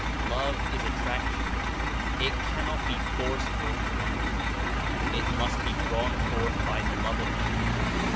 Love is attraction; it cannot be forced or commanded; it must be drawn forth by the lovable.